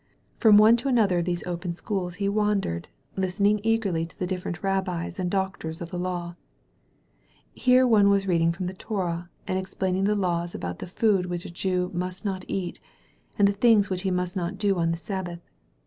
From one to another of these open schools he wandered, listening eagerly to the different rabbis and doctors of the law. Here one was reading from the Torah and ex plaining the laws about the food which a Jew must not eat» and the things which he must not do on the Sabbath.